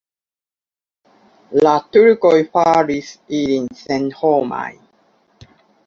La turkoj faris ilin senhomaj.